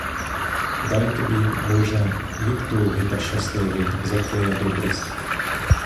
Дай тобі, боже, вік довгий та щасливий за твоя добрість!